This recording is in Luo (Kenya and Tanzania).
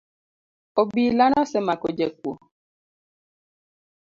Obila nosemako jakuo